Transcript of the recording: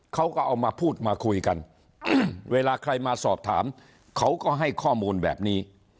เขาก็เอามาพูดมาคุยกันเวลาใครมาสอบถามเขาก็ให้ข้อมูลแบบนี้